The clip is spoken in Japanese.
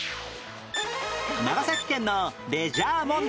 長崎県のレジャー問題